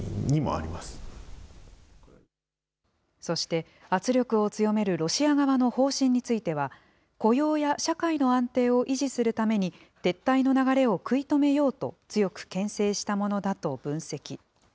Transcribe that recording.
そして、圧力を強めるロシア側の方針については、雇用や社会の安定を維持するために、撤退の流れを食い止めようと、強くけん制したものだと分析。